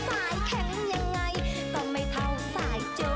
สายแข็งยังไงก็ไม่เท่าสายโจ๊ก